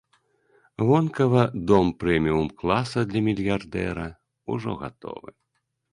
Вонкава дом прэміум-класа для мільярдэра ўжо гатовы.